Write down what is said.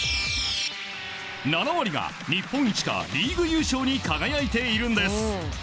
７割が日本一かリーグ優勝に輝いているんです。